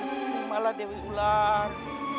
terimalah dewi ular